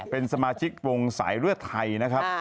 เป็นสมาชิกวงสายเลือดไทยนะครับ